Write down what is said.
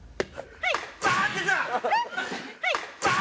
はい！